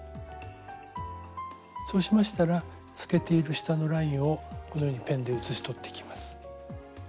そうしましたら透けている下のラインをこのようにペンで写し取っていきます。